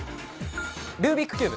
ルービックキューブ！